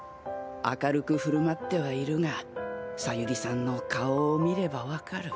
明るく振る舞ってはいるが小百合さんの顔を見れば分かる。